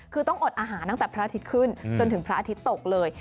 คือต้องอดอาหารตั้งแต่พระอาทิตย์ขึ้นจนถึงพระอาทิตย์ตกเลย